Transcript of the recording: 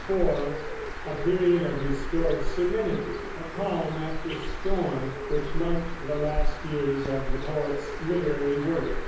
(4) A period of restored serenity, of calm after storm, which marked the last years of the poet's literary work.